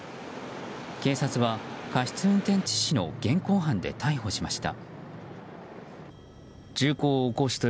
警察は過失運転致死の現行犯で逮捕しました。